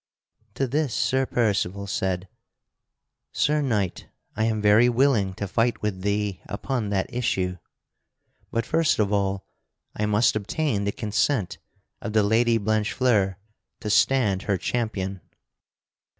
To this Sir Percival said: "Sir Knight, I am very willing to fight with thee upon that issue. But first of all I must obtain the consent of the Lady Blanchefleur to stand her champion."